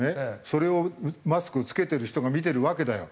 それをマスク着けてる人が見てるわけだよ。